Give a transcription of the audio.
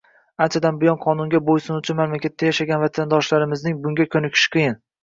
Anchadan buyon qonunga bo'ysunuvchi mamlakatda yashagan vatandoshlarimizning bunga ko'nikishi qiyin